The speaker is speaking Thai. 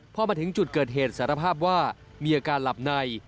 พอมาถึงจุดเกิดเหตุสารภาพว่ามีอาการหลับใน